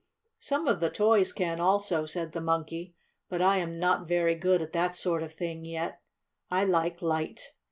"Some of the toys can, also," said the Monkey. "But I am not very good at that sort of thing yet. I like light.